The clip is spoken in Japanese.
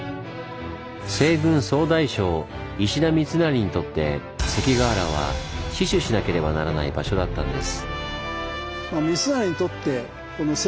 西軍総大将石田三成にとって関ケ原は死守しなければならない場所だったんです。